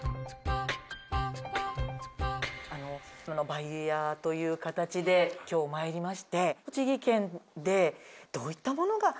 バイヤーという形で今日参りまして栃木県でどういったものがオススメか。